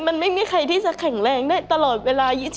มันไม่มีใครที่จะแข็งแรงได้ตลอดเวลา